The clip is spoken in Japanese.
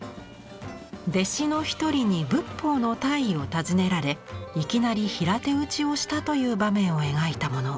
弟子の１人に仏法の大意を尋ねられいきなり平手打ちをしたという場面を描いたもの。